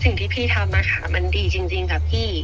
สิ่งที่พี่ทำมันดีจริงค่ะพี่